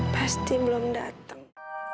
pasti belum datang